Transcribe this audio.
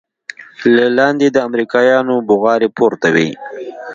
له لاندې د امريکايانو بوغارې پورته وې.